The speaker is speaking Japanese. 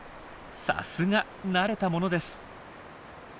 さすが慣れたものです。